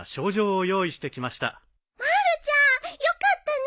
まるちゃんよかったね。